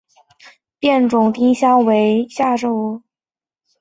绒毛野丁香为茜草科野丁香属下的一个变种。